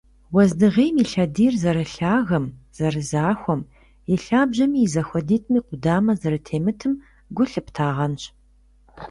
Уэздыгъейм и лъэдийр зэрылъагэм, зэрызахуэм, и лъабжьэми и зэхуэдитӀми къудамэ зэрытемытым гу лъыптагъэнщ.